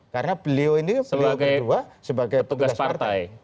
karena beliau ini beliau kedua sebagai petugas partai